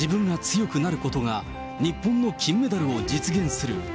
自分が強くなることが、日本の金メダルを実現する。